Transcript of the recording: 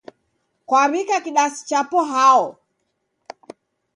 Kwaw'ika kidasi chapo hao?